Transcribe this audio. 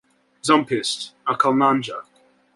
Zompist, a conlanger.